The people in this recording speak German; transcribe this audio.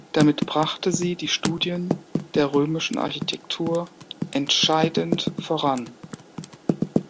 Damit brachte sie die Studien der römischen Architektur entscheidend voran.